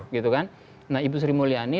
gitu kan nah ibu sri mulyani